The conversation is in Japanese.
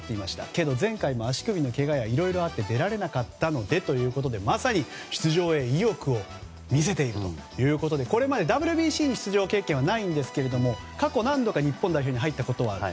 けど前回も足首のけがやいろいろあって出られなかったのでということでまさに出場へ意欲を見せているということでこれまで、ＷＢＣに出場経験はないんですけれども過去何度か日本代表に入ったことはある。